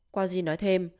kwasi nói thêm